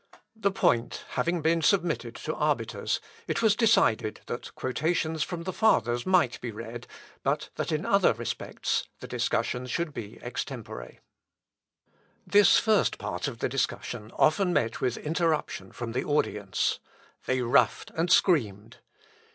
The point having been submitted to arbiters, it was decided that quotations from the Fathers might be read, but that in other respects the discussion should be extempore. Seckendorf, p. 192. This first part of the discussion often met with interruption from the audience. They ruffed and screamed.